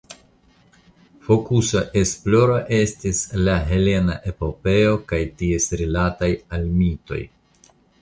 Fokuso esplora estis la helena epopeo kaj ties rilatoj al mitoj.